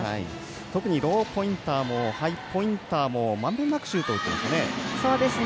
得にローポインターもハイポインターもまんべんなくシュートを打っていましたね。